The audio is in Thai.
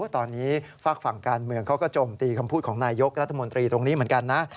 ตอนนี้ฝากฝั่งการเมืองเขาก็โจมตีคำพูดของนายยกรัฐมนตรีตรงนี้เหมือนกันนะ